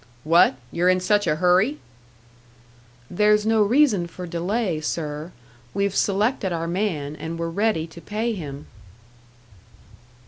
"What? You're in such a hurry?" "There's no reason for delay, sir. We've selected our man, and we're ready to pay him."